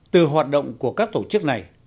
từ hoạt động của các tổ chức này